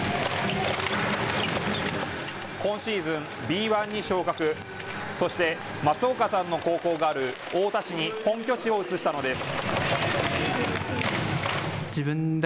今シーズンＢ１に昇格、そして松岡さんの高校がある太田市に本拠地を移したのです。